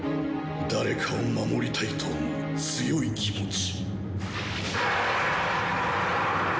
誰かを守りたいと思う強い気持ち。